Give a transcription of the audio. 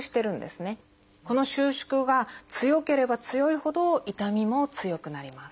この収縮が強ければ強いほど痛みも強くなります。